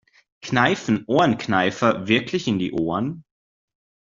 Kneifen Ohrenkneifer wirklich in die Ohren?